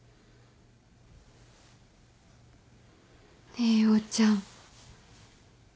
ねえ陽ちゃん。